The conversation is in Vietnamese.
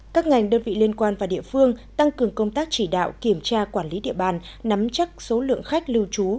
các ngành đơn vị liên quan và địa phương tăng cường công tác chỉ đạo kiểm tra quản lý địa bàn nắm chắc số lượng khách lưu trú